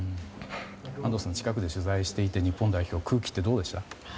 安藤さん近くで取材していて日本代表の空気っていかがでした？